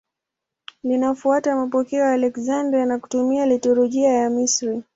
Linafuata mapokeo ya Aleksandria na kutumia liturujia ya Misri.